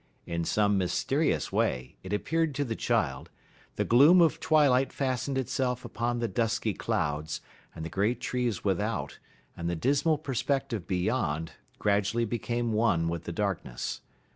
In some mysterious way, it appeared to the child, the gloom of twilight fastened itself upon the dusky clouds, and the great trees without, and the dismal perspective beyond, gradually became one with the darkness.